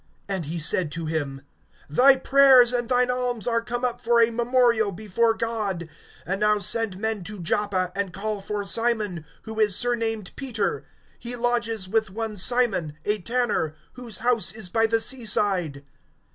And he said to him: Thy prayers and thine alms are come up for a memorial before God. (5)And now send men to Joppa, and call for Simon, who is surnamed Peter. (6)He lodges with one Simon a tanner, whose house is by the seaside.